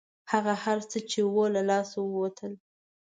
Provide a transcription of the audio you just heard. هغه هر څه چې وو له لاسه ووتل.